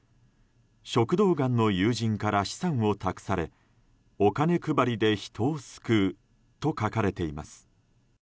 食道がんの友人から資産を託されお金配りで人を救うと書かれています。